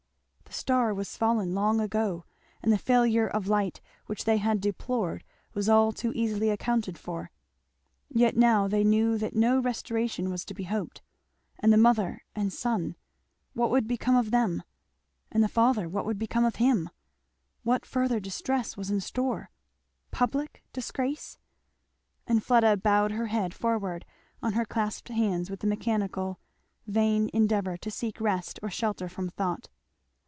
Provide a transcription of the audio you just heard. the star was fallen long ago, and the failure of light which they had deplored was all too easily accounted for; yet now they knew that no restoration was to be hoped. And the mother and son what would become of them? And the father what would become of him? what further distress was in store? Public disgrace? and Fleda bowed her head forward on her clasped hands with the mechanical, vain endeavour to seek rest or shelter from thought.